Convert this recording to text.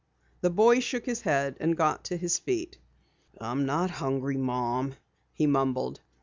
The boy shook his head and got to his feet. "I'm not hungry, Mom," he mumbled.